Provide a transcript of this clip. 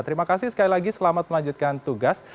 terima kasih sekali lagi selamat melanjutkan tugas